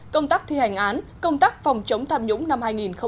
công tác thi hành án công tác phòng chống tham nhũng năm hai nghìn một mươi tám